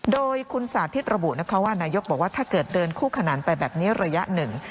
โดยคุณสาธิตระบุนะคะว่านายกบอกว่าถ้าเกิดเดินคู่ขนานไปแบบนี้ระยะหนึ่ง